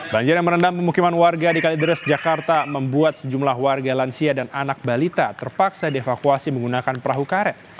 banjir yang merendam pemukiman warga di kalidres jakarta membuat sejumlah warga lansia dan anak balita terpaksa dievakuasi menggunakan perahu karet